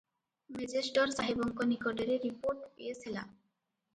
ମେଜେଷ୍ଟର ସାହେବଙ୍କ ନିକଟରେ ରିପୋର୍ଟ ପେଶ ହେଲା ।